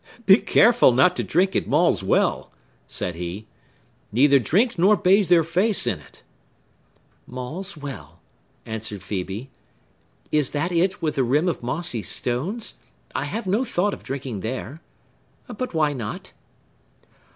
"Be careful not to drink at Maule's well!" said he. "Neither drink nor bathe your face in it!" "Maule's well!" answered Phœbe. "Is that it with the rim of mossy stones? I have no thought of drinking there,—but why not?"